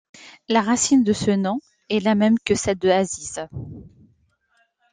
La racine de ce nom est la même que celle de `Aziz.